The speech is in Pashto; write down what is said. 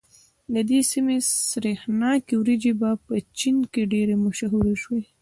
د دې سيمې سرېښناکې وريجې په چين کې ډېرې مشهورې دي.